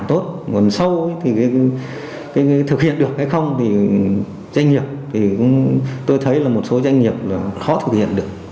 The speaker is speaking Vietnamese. tốt còn sâu thì thực hiện được hay không thì doanh nghiệp thì tôi thấy là một số doanh nghiệp là khó thực hiện được